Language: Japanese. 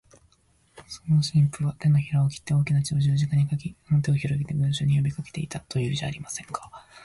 その神父は、てのひらを切って大きな血の十字架を書き、その手を上げて、群集に呼びかけていた、というじゃありませんか。